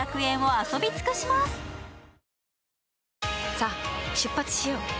さあ出発しよう。